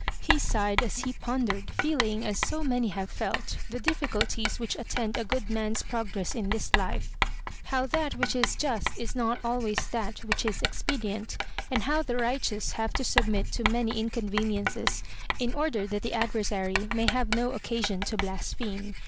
He sighed as he pondered, feeling, as so many have felt, the difficulties which attend a good man's progress in this life— s how that which is just is not always that which is expedient, and how the righteous have to submit to many in conveniences in order that the adversary may have no occasion to blaspheme.